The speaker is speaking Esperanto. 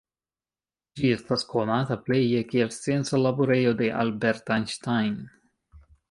Ĝi estas konata pleje kiel scienca laborejo de Albert Einstein.